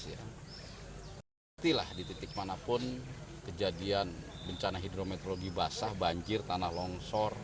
pastilah di titik manapun kejadian bencana hidrometeorologi basah banjir tanah longsor